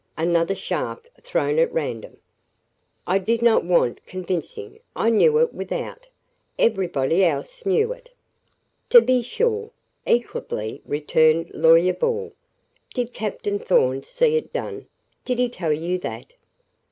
Another shaft thrown at random. "I did not want convincing I knew it without. Everybody else knew it." "To be sure," equably returned Lawyer Ball. "Did Captain Thorn see it done did he tell you that?"